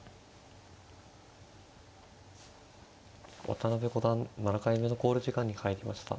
渡辺五段７回目の考慮時間に入りました。